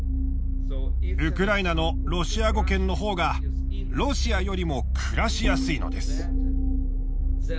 ウクライナのロシア語圏のほうがロシアよりも暮らしやすいのです。